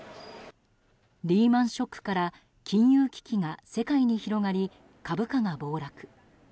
リーマン・ショックから金融危機が世界に広がり株価が暴落。